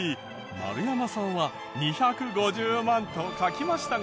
丸山さんは２５０万と書きましたが。